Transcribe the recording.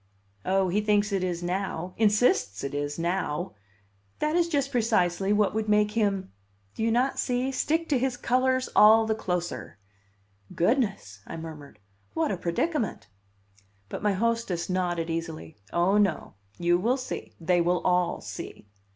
"Oh, he thinks it is now insists it is now! That is just precisely what would make him do you not see? stick to his colors all the closer." "Goodness!" I murmured. "What a predicament!" But my hostess nodded easily. "Oh, no. You will see. They will all see."